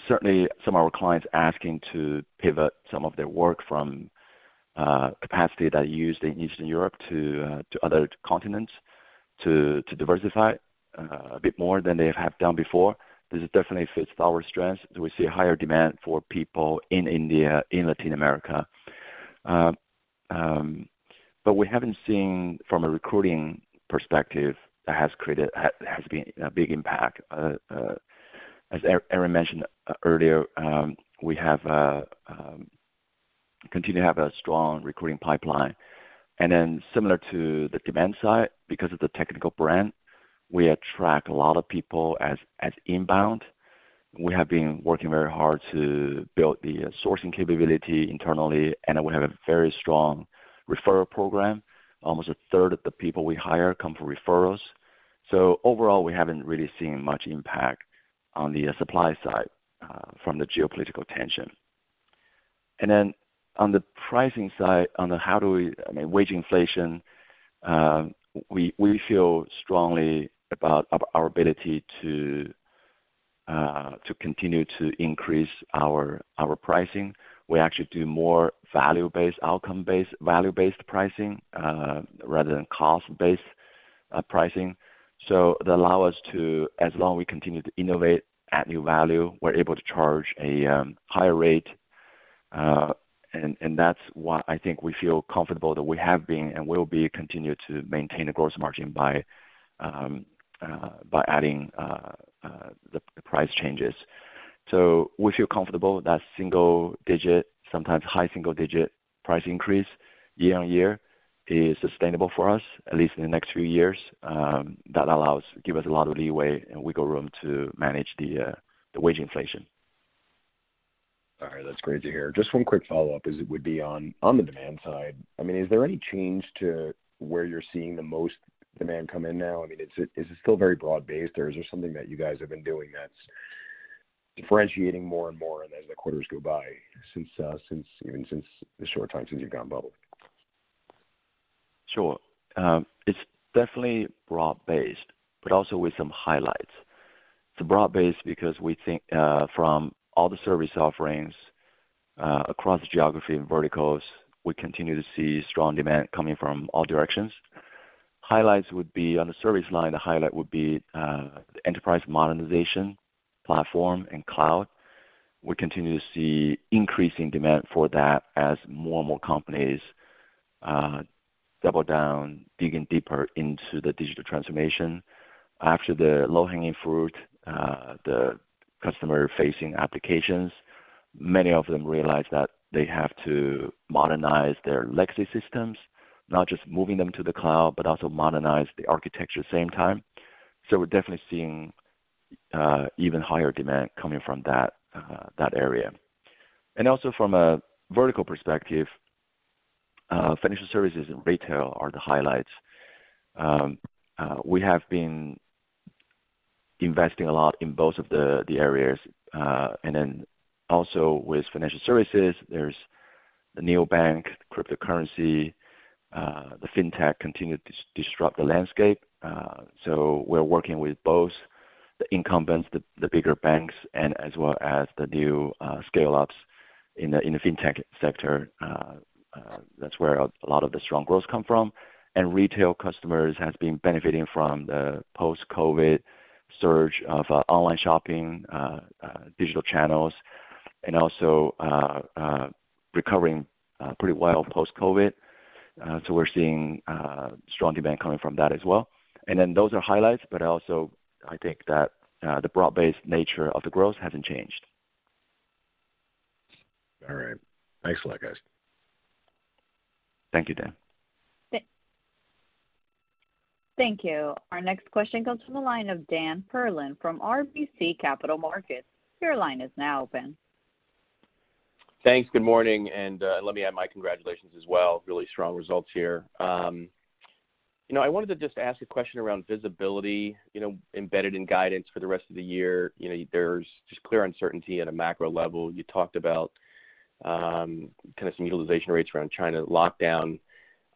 certainly some of our clients asking to pivot some of their work from capacity that used in Eastern Europe to other continents to diversify a bit more than they have done before. This definitely fits our strengths. We see higher demand for people in India, in Latin America. We haven't seen from a recruiting perspective that has been a big impact. As Erin mentioned earlier, we continue to have a strong recruiting pipeline. Similar to the demand side, because of the technical brand, we attract a lot of people as inbound. We have been working very hard to build the sourcing capability internally, and we have a very strong referral program. Almost a third of the people we hire come from referrals. Overall, we haven't really seen much impact on the supply side from the geopolitical tension. On the pricing side, I mean, wage inflation, we feel strongly about our ability to continue to increase our pricing. We actually do more value-based, outcome-based, value-based pricing rather than cost-based pricing. They allow us to, as long we continue to innovate, add new value, we're able to charge a higher rate. That's why I think we feel comfortable that we have been and will continue to maintain a gross margin by adding the price changes. We feel comfortable that single-digit%, sometimes high single-digit% price increase year-over-year is sustainable for us, at least in the next few years. That gives us a lot of leeway and wiggle room to manage the wage inflation. All right. That's great to hear. Just one quick follow-up. It would be on the demand side. I mean, is there any change to where you're seeing the most demand come in now? I mean, is it still very broad-based, or is there something that you guys have been doing that's differentiating more and more and as the quarters go by since I mean, since the short time since you've gone public? Sure. It's definitely broad-based, but also with some highlights. It's broad-based because we think, from all the service offerings, across geography and verticals, we continue to see strong demand coming from all directions. Highlights would be on the service line, the highlight would be, the enterprise modernization platform and cloud. We continue to see increasing demand for that as more and more companies, double down, digging deeper into the digital transformation. After the low-hanging fruit, the customer-facing applications, many of them realize that they have to modernize their legacy systems, not just moving them to the cloud, but also modernize the architecture same time. We're definitely seeing, even higher demand coming from that area. Also from a vertical perspective, financial services and retail are the highlights. We have been investing a lot in both of the areas. Also with financial services, there's the neobank, cryptocurrency, the fintech continue to disrupt the landscape. We're working with both the incumbents, the bigger banks, and as well as the new scale-ups in the fintech sector. That's where a lot of the strong growth come from. Retail customers has been benefiting from the post-COVID surge of online shopping, digital channels, and also recovering pretty well post-COVID. We're seeing strong demand coming from that as well. Those are highlights, but also I think that the broad-based nature of the growth hasn't changed. All right. Thanks a lot, guys. Thank you, Darrin. Thank you. Our next question comes from the line of Dan Perlin from RBC Capital Markets. Your line is now open. Thanks. Good morning, and let me add my congratulations as well. Really strong results here. You know, I wanted to just ask a question around visibility, you know, embedded in guidance for the rest of the year. You know, there's just clear uncertainty at a macro level. You talked about kind of some utilization rates around China lockdown.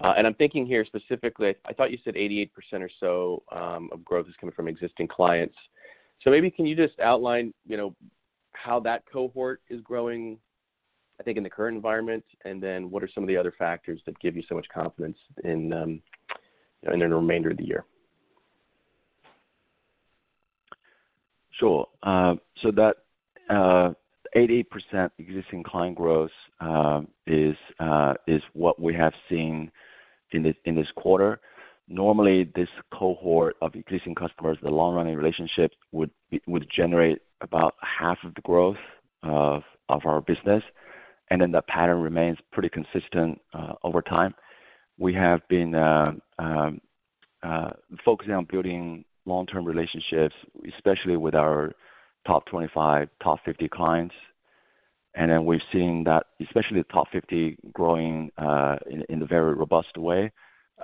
I'm thinking here specifically, I thought you said 88% or so of growth is coming from existing clients. Maybe can you just outline, you know, how that cohort is growing, I think, in the current environment, and then what are some of the other factors that give you so much confidence in, you know, in the remainder of the year? Sure. That 88% existing client growth is what we have seen in this quarter. Normally, this cohort of existing customers, the long-running relationship would generate about half of the growth of our business, and then the pattern remains pretty consistent over time. We have been focusing on building long-term relationships, especially with our top 25, top 50 clients. We're seeing that, especially the top 50 growing in a very robust way.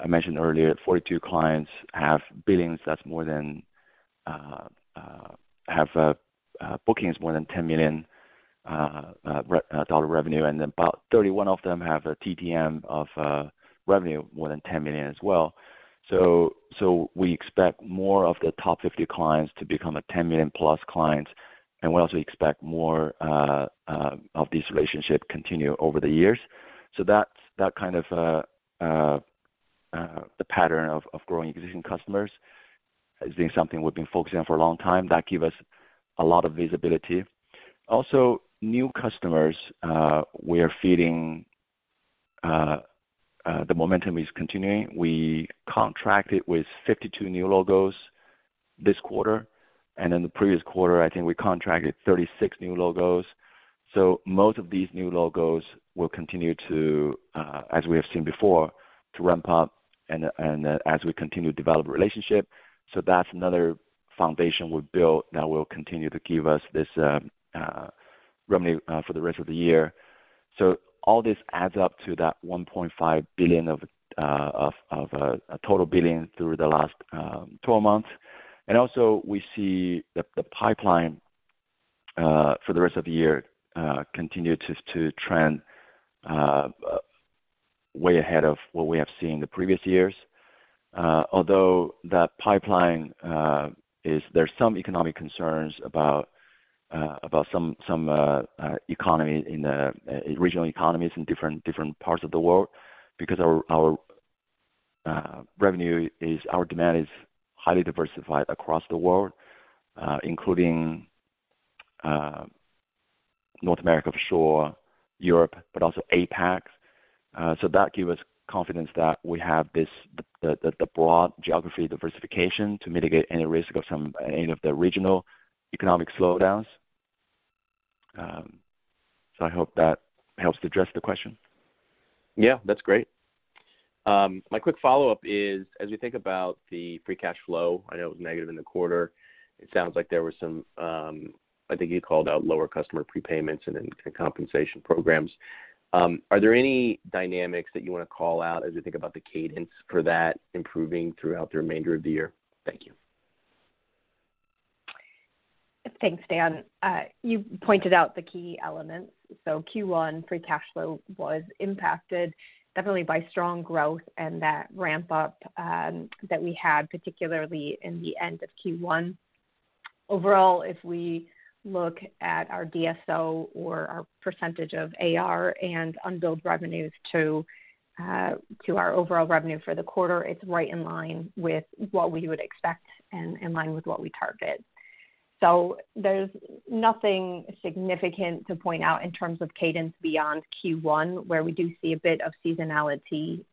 I mentioned earlier, 42 clients have bookings more than $10 million dollar revenue, and about 31 of them have a TTM of revenue more than $10 million as well. We expect more of the top 50 clients to become $10 million-plus clients, and we also expect more of these relationships continue over the years. That's that kind of the pattern of growing existing customers is something we've been focusing on for a long time that give us a lot of visibility. Also, new customers, we are feeling the momentum is continuing. We contracted with 52 new logos this quarter, and in the previous quarter, I think we contracted 36 new logos. Most of these new logos will continue to, as we have seen before, to ramp up and as we continue to develop a relationship. That's another foundation we've built that will continue to give us this revenue for the rest of the year. All this adds up to that $1.5 billion of total billings through the last 12 months. Also we see the pipeline for the rest of the year continue to trend way ahead of what we have seen the previous years. Although that pipeline is there's some economic concerns about regional economies in different parts of the world because our demand is highly diversified across the world, including North America for sure, Europe, but also APAC. That gives us confidence that we have the broad geography diversification to mitigate any risk of some any of the regional economic slowdowns. I hope that helps to address the question. Yeah, that's great. My quick follow-up is, as you think about the free cash flow, I know it was negative in the quarter. It sounds like there were some, I think you called out lower customer prepayments and then compensation programs. Are there any dynamics that you wanna call out as you think about the cadence for that improving throughout the remainder of the year? Thank you. Thanks, Dan. You pointed out the key elements. Q1 free cash flow was impacted definitely by strong growth and that ramp-up that we had, particularly in the end of Q1. Overall, if we look at our DSO or our percentage of AR and unbilled revenues to our overall revenue for the quarter, it's right in line with what we would expect and in line with what we target. There's nothing significant to point out in terms of cadence beyond Q1, where we do see a bit of seasonality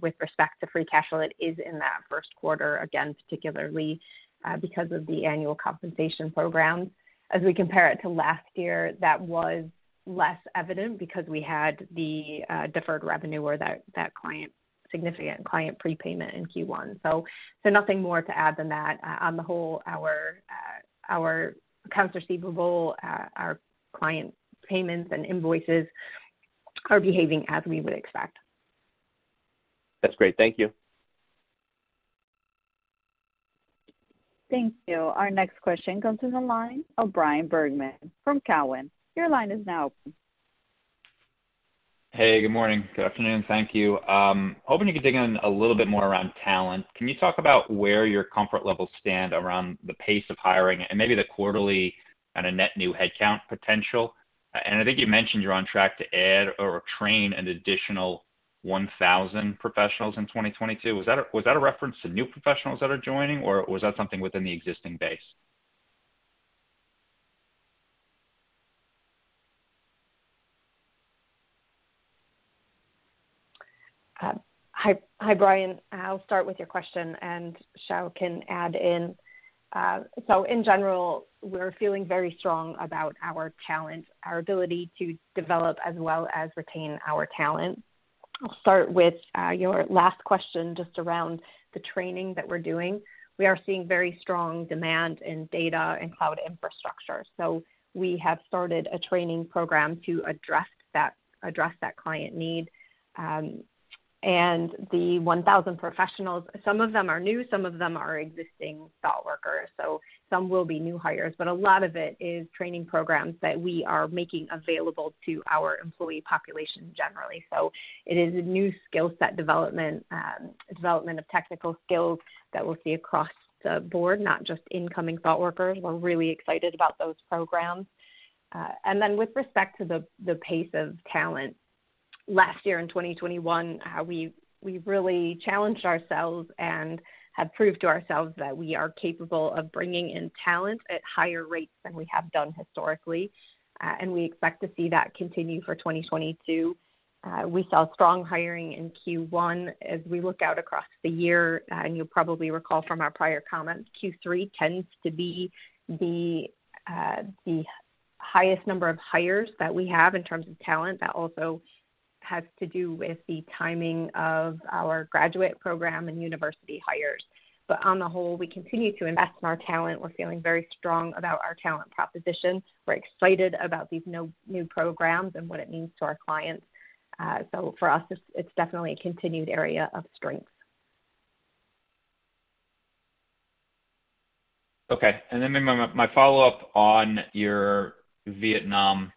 with respect to free cash flow. It is in that Q1, again, particularly, because of the annual compensation program. As we compare it to last year, that was less evident because we had the deferred revenue or that significant client prepayment in Q1. Nothing more to add than that. On the whole, our accounts receivable, our client payments and invoices are behaving as we would expect. That's great. Thank you. Thank you. Our next question comes from the line of Bryan Bergin from Cowen. Your line is now open. Hey, good morning. Good afternoon. Thank you. Hoping you can dig in a little bit more around talent. Can you talk about where your comfort levels stand around the pace of hiring and maybe the quarterly and a net new headcount potential? I think you mentioned you're on track to add or train an additional 1,000 professionals in 2022. Was that a, was that a reference to new professionals that are joining, or was that something within the existing base? Hi, Brian. I'll start with your question, and Guo Xiao can add in. In general, we're feeling very strong about our talent, our ability to develop as well as retain our talent. I'll start with your last question just around the training that we're doing. We are seeing very strong demand in data and cloud infrastructure. We have started a training program to address that client need. The 1,000 professionals, some of them are new, some of them are existing Thought workers. Some will be new hires, but a lot of it is training programs that we are making available to our employee population generally. It is a new skill set development of technical skills that we'll see across the board, not just incoming Thought workers. We're really excited about those programs. With respect to the pace of talent, last year in 2021, we really challenged ourselves and have proved to ourselves that we are capable of bringing in talent at higher rates than we have done historically. We expect to see that continue for 2022. We saw strong hiring in Q1 as we look out across the year, and you'll probably recall from our prior comments, Q3 tends to be the highest number of hires that we have in terms of talent. That also has to do with the timing of our graduate program and university hires. On the whole, we continue to invest in our talent. We're feeling very strong about our talent proposition. We're excited about these new programs and what it means to our clients. For us, it's definitely a continued area of strength. Okay. My follow-up on your Vietnam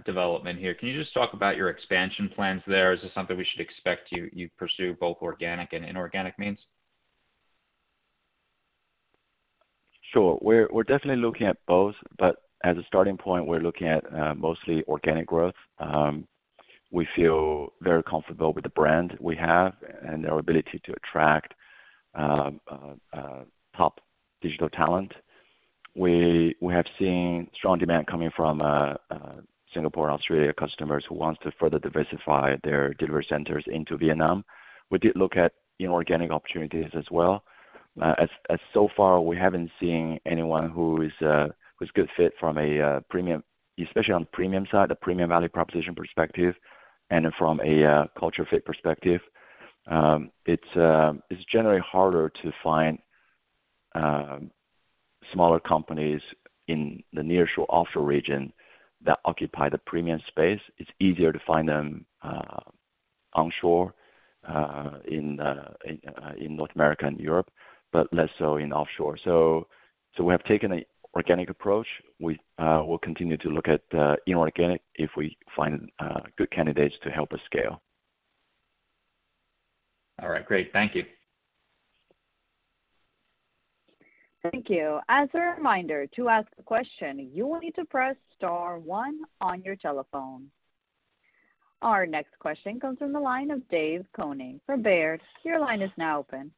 development here. Can you just talk about your expansion plans there? Is this something we should expect you pursue both organic and inorganic means? Sure. We're definitely looking at both, but as a starting point, we're looking at mostly organic growth. We feel very comfortable with the brand we have and our ability to attract top digital talent. We have seen strong demand coming from Singapore and Australia customers who wants to further diversify their delivery centers into Vietnam. We did look at inorganic opportunities as well. So far, we haven't seen anyone who's a good fit from a premium, especially on premium side, the premium value proposition perspective and from a culture fit perspective. It's generally harder to find smaller companies in the nearshore, offshore region that occupy the premium space. It's easier to find them onshore in North America and Europe, but less so in offshore. We have taken an organic approach. We will continue to look at inorganic if we find good candidates to help us scale. All right. Great. Thank you. Thank you. As a reminder, to ask a question, you will need to press star one on your telephone. Our next question comes from the line of Dave Koning from Baird. Your line is now open.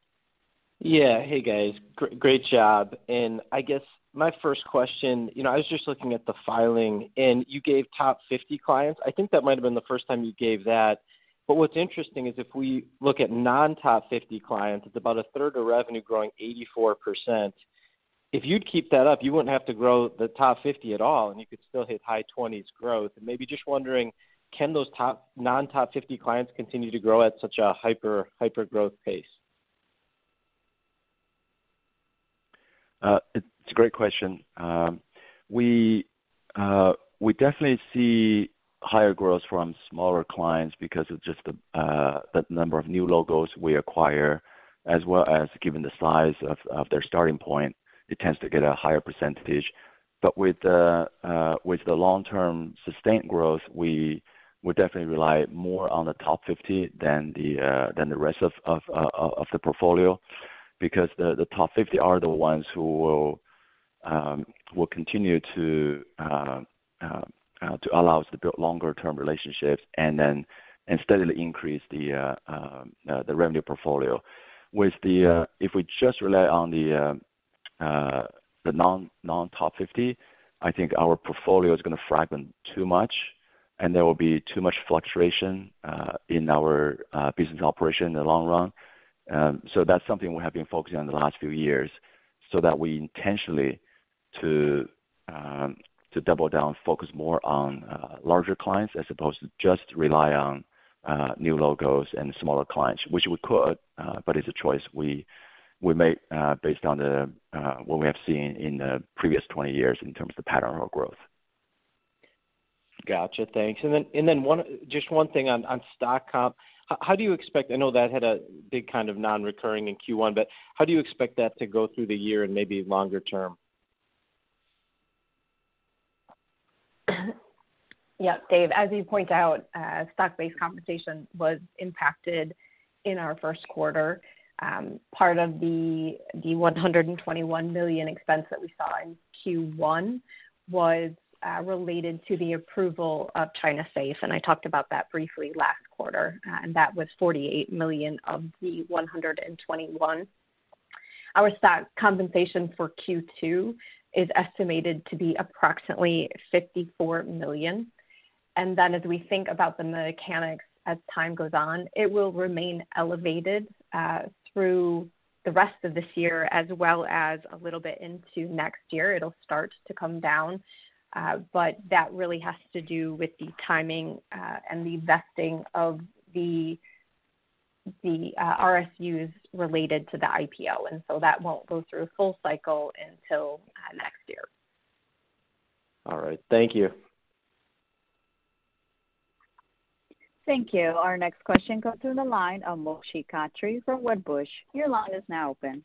Yeah. Hey, guys. Great job. I guess my first question, you know, I was just looking at the filing, and you gave top 50 clients. I think that might have been the first time you gave that. What's interesting is if we look at non-top 50 clients, it's about a third of revenue growing 84%. If you'd keep that up, you wouldn't have to grow the top 50 at all, and you could still hit high 20s growth. Maybe just wondering, can those non-top 50 clients continue to grow at such a hyper-growth pace? It's a great question. We definitely see higher growth from smaller clients because of just the number of new logos we acquire, as well as given the size of their starting point, it tends to get a higher percentage. With the long-term sustained growth, we would definitely rely more on the top fifty than the rest of the portfolio. Because the top fifty are the ones who will continue to allow us to build longer-term relationships and then steadily increase the revenue portfolio. If we just rely on the non-top 50, I think our portfolio is gonna fragment too much, and there will be too much fluctuation in our business operation in the long run. That's something we have been focusing on the last few years so that we intentionally to double down, focus more on larger clients as opposed to just rely on new logos and smaller clients, which we could, but it's a choice we make based on what we have seen in the previous 20 years in terms of the pattern of growth. Gotcha. Thanks. Just one thing on stock comp. How do you expect I know that had a big kind of non-recurring in Q1, but how do you expect that to go through the year and maybe longer term? Yeah, Dave, as you point out, stock-based compensation was impacted in our Q1. Part of the 121 million expenses that we saw in Q1 was related to the approval of China SAFE, and I talked about that briefly last quarter. That was $48 million of the $121 million. Our stock compensation for Q2 is estimated to be approximately $54 million. Then as we think about the mechanics as time goes on, it will remain elevated through the rest of this year as well as a little bit into next year. It'll start to come down, but that really has to do with the timing and the vesting of the RSUs related to the IPO. That won't go through a full cycle until next year. All right. Thank you. Thank you. Our next question comes through the line of Moshe Katri from Wedbush. Your line is now open.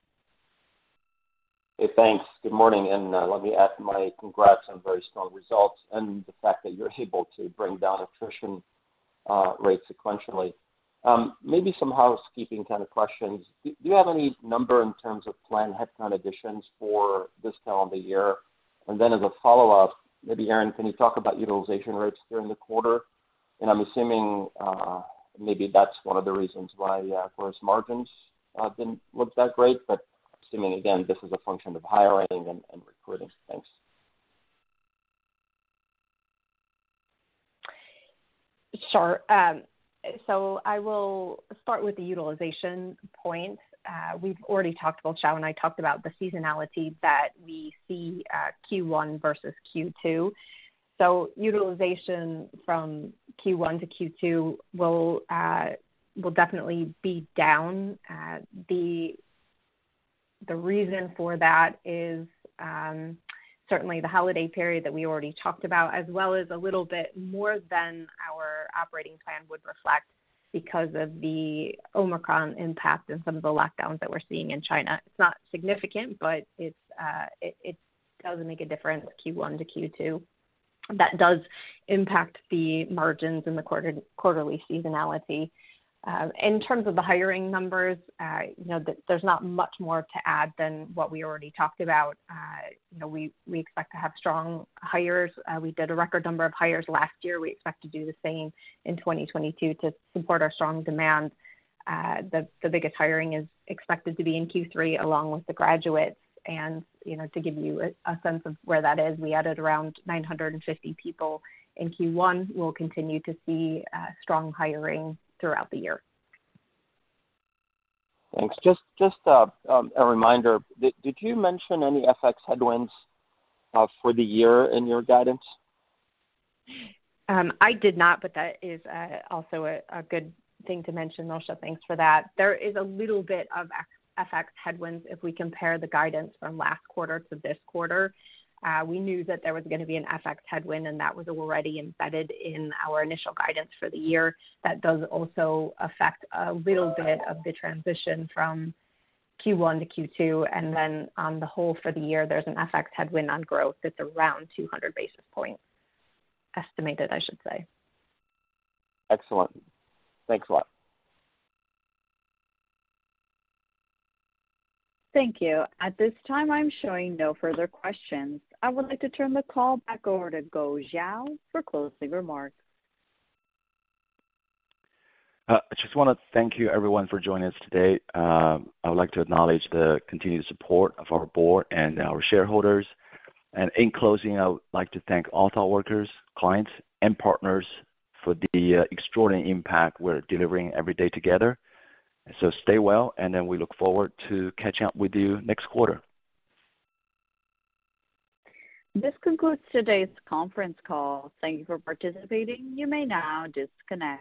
Hey, thanks. Good morning, and let me add my congrats on very strong results and the fact that you're able to bring down attrition rates sequentially. Maybe some housekeeping kind of questions. Do you have any number in terms of planned headcount additions for this time of the year? And then as a follow-up, maybe Erin, can you talk about utilization rates during the quarter? And I'm assuming maybe that's one of the reasons why gross margins didn't look that great, but assuming again, this is a function of hiring and recruiting. Thanks. Sure. I will start with the utilization point. We've already talked, Guo Xiao and I talked about the seasonality that we see at Q1 versus Q2. Utilization from Q1 to Q2 will definitely be down. The reason for that is certainly the holiday period that we already talked about, as well as a little bit more than our operating plan would reflect because of the Omicron impact and some of the lockdowns that we're seeing in China. It's not significant, but it does make a difference Q1 to Q2. That does impact the margins and the quarterly seasonality. In terms of the hiring numbers, you know, there's not much more to add than what we already talked about. You know, we expect to have strong hires. We did a record number of hires last year. We expect to do the same in 2022 to support our strong demand. The biggest hiring is expected to be in Q3 along with the graduates. You know, to give you a sense of where that is, we added around 950 people in Q1. We'll continue to see strong hiring throughout the year. Thanks. Just a reminder. Did you mention any FX headwinds for the year in your guidance? I did not, but that is also a good thing to mention, Moshe. Thanks for that. There is a little bit of FX headwinds if we compare the guidance from last quarter to this quarter. We knew that there was gonna be an FX headwind, and that was already embedded in our initial guidance for the year. That does also affect a little bit of the transition from Q1 to Q2. Then on the whole for the year, there's an FX headwind on growth that's around 200 basis points. Estimated, I should say. Excellent. Thanks a lot. Thank you. At this time, I'm showing no further questions. I would like to turn the call back over to Guo Xiao for closing remarks. I just wanna thank you everyone for joining us today. I would like to acknowledge the continued support of our board and our shareholders. In closing, I would like to thank all our workers, clients, and partners for the extraordinary impact we're delivering every day together. Stay well, and then we look forward to catching up with you next quarter. This concludes today's conference call. Thank you for participating. You may now disconnect.